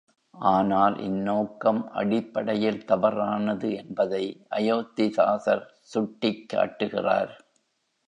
ஆனால் இந்நோக்கம் அடிப்படையில் தவறானது என்பதை அயோத்திதாசர் சுட்டிக் காட்டுகிறார்.